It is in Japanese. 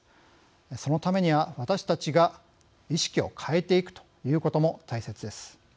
そのためには私たちが意識を変えていくということも大切です。